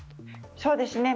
そうです。